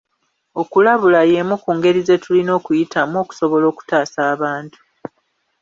Okulabula y'emu ku ngeri ze tulina okuyitamu okusobola okutaasa abantu.